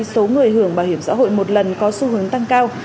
số người hưởng bảo hiểm xã hội một lần có xu hướng tăng cao